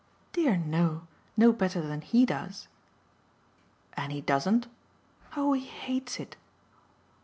"Dear no. No better than HE does." "And he doesn't ?" "Oh he hates it."